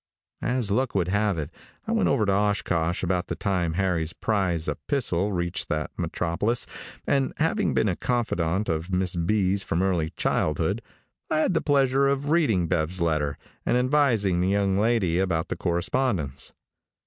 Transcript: As luck would have it, I went over to Oshkosh about the time Harry's prize epistle reached that metropolis, and having been a confidant of Miss B's from early childhood, I had the pleasure of reading Bev's letter, and advising the young lady about the correspondence.